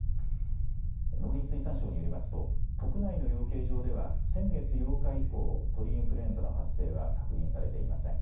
農林水産省によりますと、国内の養鶏場では、先月８日以降、鳥インフルエンザの発生は確認されていません。